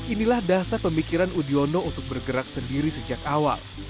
inilah dasar pemikiran udiono untuk bergerak sendiri sejak awal